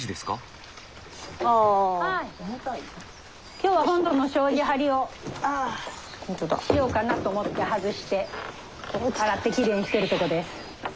今日は本堂の障子張りをしようかなと思って外して洗ってきれいにしてるとこです。